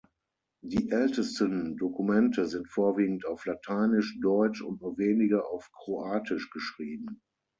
Die ältesten Dokumente sind vorwiegend auf Lateinisch, Deutsch und nur wenige auf Kroatisch geschrieben.